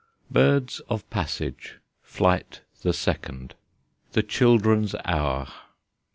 BIRDS OF PASSAGE. FLIGHT THE SECOND. THE CHILDREN'S HOUR.